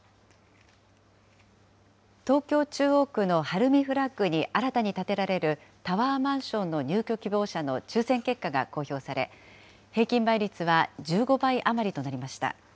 東京・中央区の晴海フラッグに新たに建てられるタワーマンションの入居希望者の抽せん結果が公表され、平均倍率は１５倍余りとなりました。